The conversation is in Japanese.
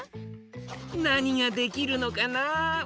なにができるのかな？